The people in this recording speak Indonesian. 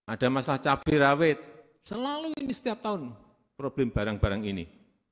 ada masalah cabai rawit selalu ini setiap tahun problem barang barang ini